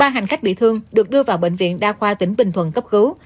ba hành khách bị thương được đưa vào bệnh viện đa khoa tỉnh bình thuận cấp cứu